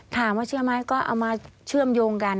ถามว่าเชื่อไหมก็เอามาเชื่อมโยงกัน